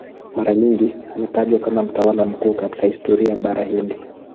Mara nyingi anatajwa kama mtawala mkuu katika historia ya Bara Hindi.